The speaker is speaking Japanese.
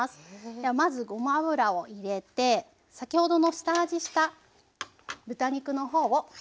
ではまずごま油を入れて先ほどの下味した豚肉の方を広げて入れていきますね。